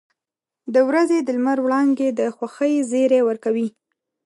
• د ورځې د لمر وړانګې د خوښۍ زیری ورکوي.